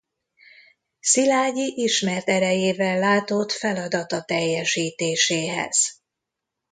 Szilágyi ismert erélyével látott feladata teljesítéséhez.